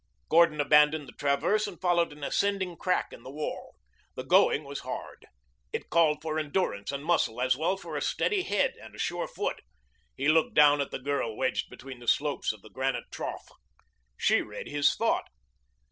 Gordon abandoned the traverse and followed an ascending crack in the wall. The going was hard. It called for endurance and muscle, as well as for a steady head and a sure foot. He looked down at the girl wedged between the slopes of the granite trough. She read his thought.